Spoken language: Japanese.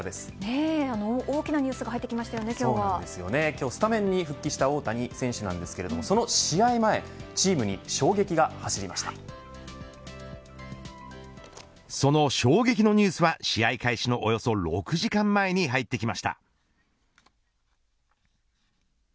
大きなニュースが今日スタメンに復帰した大谷選手なんですがその試合前その衝撃のニュースは試合開始のおよそ６時間前に入ってきました。